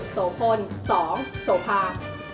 โสพล๒โสภา